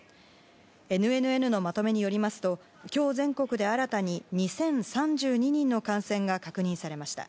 ＮＮＮのまとめによりますと今日全国で新たに２０３２人の感染が確認されました。